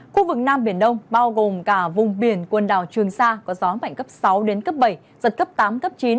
khu vực nam biển đông bao gồm cả vùng biển quần đảo trường sa có gió mạnh cấp sáu bảy giật cấp tám chín